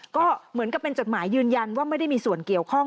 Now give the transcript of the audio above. ก็เหมือนกับเป็นจดหมายยืนยันว่าไม่ได้มีส่วนเกี่ยวข้อง